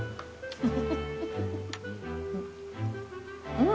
うん！